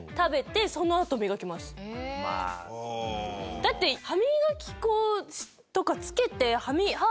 だって歯みがき粉とかつけて。